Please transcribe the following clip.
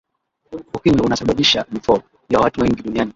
ukimwi unasababisha vifo vya watu wengi duniani